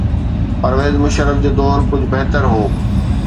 پرويز مشرف جو دور ڪجهه بهتر هو.